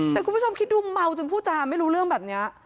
แต่คุณผู้ชมคิดดูเมาจนพูดจาไม่รู้เรื่องแบบนี้